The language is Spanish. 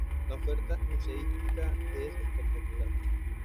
La oferta museística es espectacular.